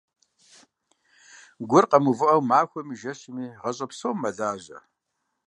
Гур къэмыувыӀэу, махуэми, жэщми, гъащӀэ псом мэлажьэ.